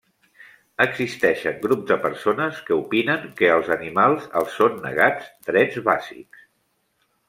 Existeixen grups de persones que opinen que als animals els són negats drets bàsics.